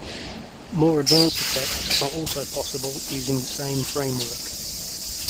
More advanced effects are also possible using the same framework.